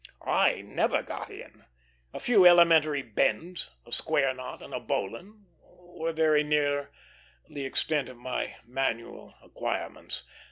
I never got in; a few elementary "bends," a square knot, and a bowline, were very near the extent of my manual acquirements.